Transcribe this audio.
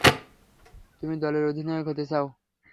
তুমি দলের অধিনায়ক হতে চাও!